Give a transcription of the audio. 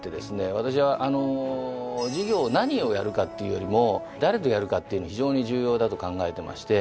私はあの事業は何をやるかっていうよりも誰とやるかっていうの非常に重要だと考えてまして。